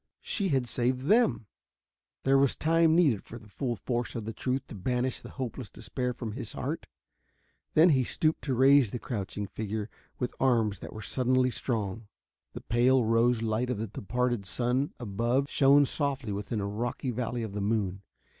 She had saved them! There was time needed for the full force of the truth to banish the hopeless despair from his heart. Then he stooped to raise the crouching figure with arms that were suddenly strong. The pale rose light of the departed sun above shone softly within a rocky valley of the moon.